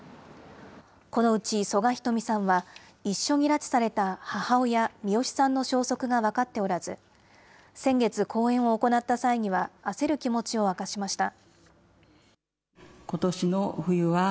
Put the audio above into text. このうち曽我ひとみさんは、一緒に拉致された母親、ミヨシさんの消息が分かっておらず、先月、講演を行った際には、焦る気持ちを明かしました。